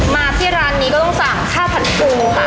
มาที่ร้านนี้ก็ต้องสั่งข้าวผัดปูค่ะ